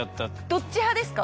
どっち派ですか？